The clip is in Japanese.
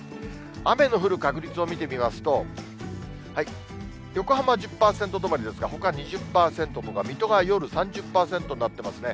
雨の降る確率を見てみますと、横浜は１０％止まりですが、ほか２０％とか、水戸が夜３０％になってますね。